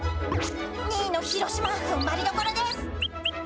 ２位の広島、ふんばりどころです。